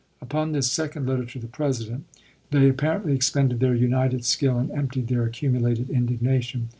Upon this second letter to the President they apparently expended their united skill and emptied their accumulated indignation.